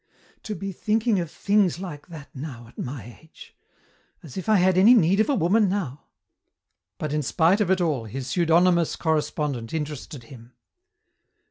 "... To be thinking of things like that now at my age! As if I had any need of a woman now!" But in spite of all, his pseudonymous correspondent interested him.